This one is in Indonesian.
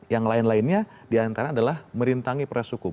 yang lain lainnya diantara adalah merintangi proses hukum